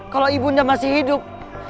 kalau ibunda masih hidup